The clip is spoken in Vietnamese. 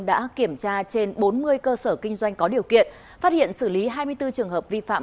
đã kiểm tra trên bốn mươi cơ sở kinh doanh có điều kiện phát hiện xử lý hai mươi bốn trường hợp vi phạm